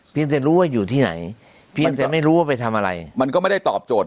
เพียงจะรู้ว่าอยู่ที่ไหนไม่รู้ว่าไปทำอะไรมันก็ไม่ได้ตอบโจทย์